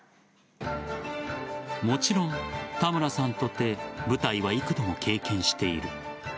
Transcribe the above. もちろん、田村さんとて舞台は幾度も経験している。